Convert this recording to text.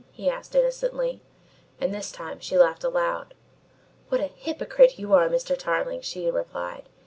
he asked innocently, and this time she laughed aloud. "What a hypocrite you are, Mr. Tarling!" she replied.